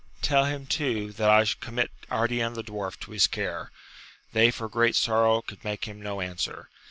Tell him, too, that I commit Ardian the dwarf to his care. They for great sorrow could make him no answer.